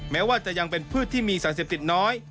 แม้ว่าจะยังเป็นพืชที่มีสารเสพติดน้อย